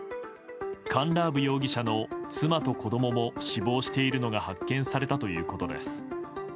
カンラーブ容疑者の妻と子供も死亡しているのが発見されたということです。